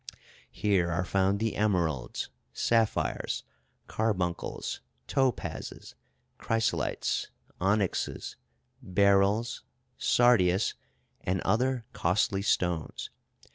Here are found the emeralds, sapphires, carbuncles, topazes, chrysolites, onyxes, beryls, sardius, and other costly stones.